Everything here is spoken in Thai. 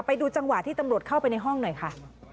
ไปดูจังหวะที่ตำรวจเข้าไปในห้องหน่อยค่ะ